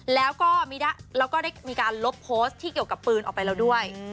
แล้วก็ได้มีการลบโพสต์ที่เกี่ยวกับปืนออกไปแล้วด้วย